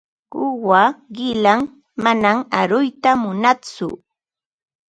Quwaa qilam, manam aruyta munantsu.